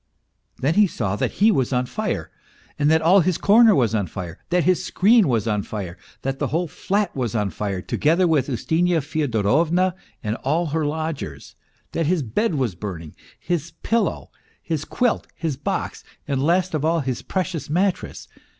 Then he saw that he was on fire, that all his corner was on fire, that his screen was on fire, that the whole flat was on fire, together with Ustinya Fyodorovna and all her lodgers, that his bed was burning, his pillow, his quilt, his box, and last of all, his precious mattress.